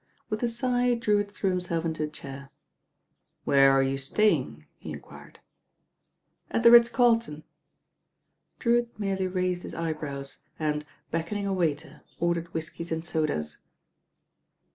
With a sigh Drewitt threw himself into a chair. "Whc^re are you staying?" he enquired. "At the Ritz Carlton." Drewitt merely raised his eyebrows and, beck oning a waiter, ordered whiskies and sodas.